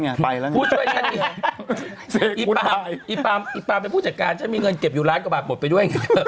อี๊ป้าเป็นผู้จัดการฉันมีเงินเก็บอยู่ร้านกระบากหมดไปด้วย